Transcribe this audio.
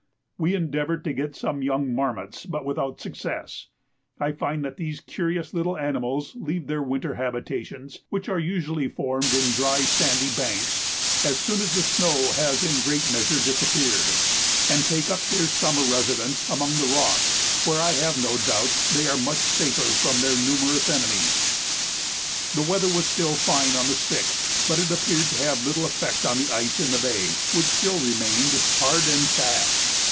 We endeavoured to get some young marmots, but without success. I find that these curious little animals leave their winter habitations, which are usually formed in dry sandy banks, as soon as the snow has in a great measure disappeared, and take up their summer residence among the rocks, where, I have no doubt, they are much safer from their numerous enemies. The weather was still fine on the 6th, but it appeared to have little effect on the ice in the bay, which still remained hard and fast.